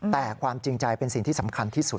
แต่ความจริงใจเป็นสิ่งที่สำคัญที่สุด